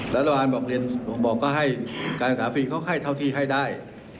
นัทราวานนักศึกษาภิกษ์เขาให้เท่าที่ให้ได้